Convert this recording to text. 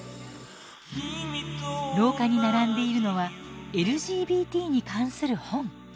廊下に並んでいるのはＬＧＢＴに関する本。